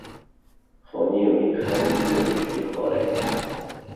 Xaniyê wî xweliyê de çûye xwarê.